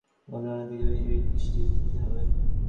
যেমন তিনি বলেছেন, শিল্প খাত উন্নয়নের দিকে বেশি দৃষ্টি দিতে হবে।